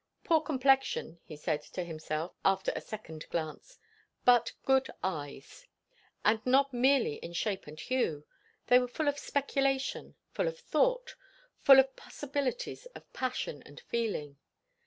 Poor complexion, he said to himself after a second glance, but good eyes. And not merely in shape and hue; they were full of speculation, full of thought, full of the possibilities of passion and feeling.